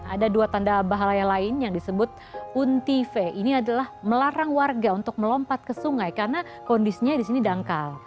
ada dua tanda bahaya lain yang disebut untive ini adalah melarang warga untuk melompat ke sungai karena kondisinya di sini dangkal